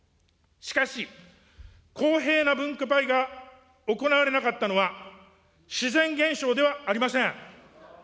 しかし、公平な分配が行われなかったのは、自然現象ではありません。